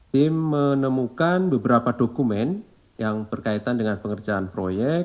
tim menemukan beberapa dokumen yang berkaitan dengan pengerjaan proyek